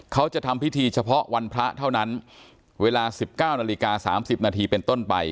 เขาจะทำพิธีเฉพาะวันพระเท่านั้นเวลา๑๙นาฬิกา๓๐นาทีเป็นต้นไป